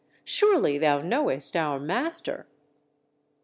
surely thou knowest our Master?"